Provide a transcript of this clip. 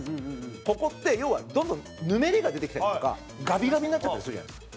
ここって、要は、どんどんぬめりが出てきたりとかガビガビになっちゃったりするじゃないですか。